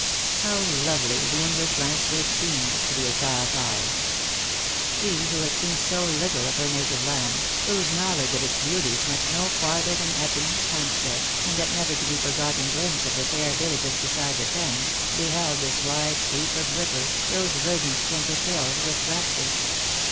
How lovely the English landscape seemed to the exile's eye ! She who had seen so little of her native land, whose knowledge of its beauties went no far ther than Epping, Hampstead, and that never to be forgotten glimpse of the fair villages beside the Thames, beheld this wide sweep of river, those verdant Kentish hills, with rapture.